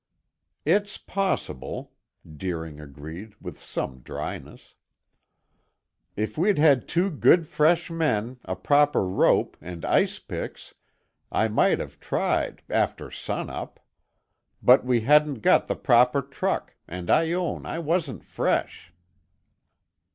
"It's possible," Deering agreed with some dryness. "If we'd had two good fresh men, a proper rope and ice picks, I might have tried, after sun up. But we hadn't got the proper truck, and I own I wasn't fresh."